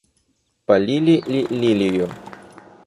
Полили ли лилию?